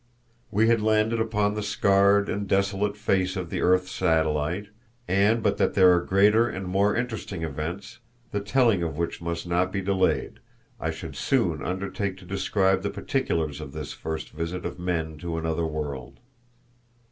We had landed upon the scarred and desolate face of the earth's satellite, and but that there are greater and more interesting events, the telling of which must not be delayed, I should undertake to describe the particulars of this first visit of men to another world.